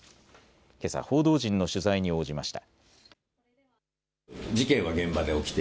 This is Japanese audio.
けさ報道陣の取材に応じました。